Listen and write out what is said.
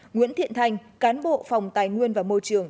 nguyễn thiện thanh cán bộ phòng tài nguyên và môi trường